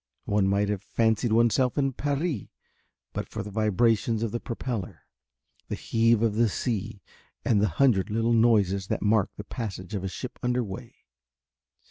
One might have fancied oneself in Paris but for the vibrations of the propeller, the heave of the sea, and the hundred little noises that mark the passage of a ship under way.